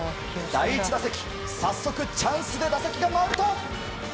第１打席、早速チャンスで打席が回った！